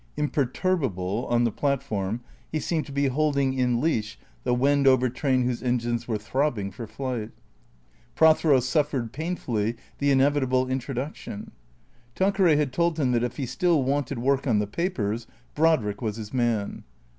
Im perturbable, on the platform, he seemed to be holding in leash the Wendover train whose engines were throbbing for flight. Prothero suffered, painfully, the inevitable introduction. Tanqueray had told him that if he still wanted work on the papers Brodriek was his man.